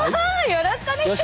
よろしくお願いします。